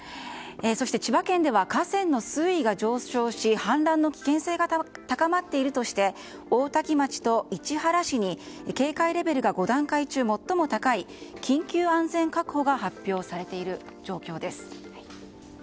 そして、千葉県では河川の水位が上昇し氾濫の危険性が高まっているとして大多喜町と市原市に警戒レベルが５段階中最も高い緊急安全確保が発表されている状況です。